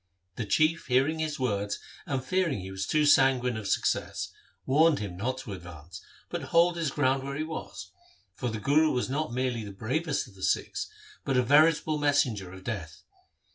The Chief hearing his words and fearing he was too sanguine of success, warned him not to advance, but hold his ground where he was, for the Guru was not merely the bravest of the Sikhs, but a veritable messenger of death.